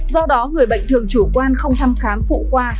do đó người bệnh thường chủ quan không thăm khám phụ khoa